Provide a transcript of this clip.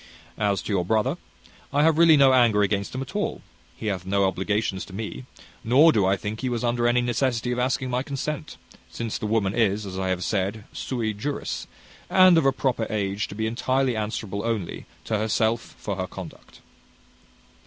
As to your brother, I have really no anger against him at all. He hath no obligations to me, nor do I think he was under any necessity of asking my consent, since the woman is, as I have said, sui juris, and of a proper age to be entirely answerable only, to herself for her conduct."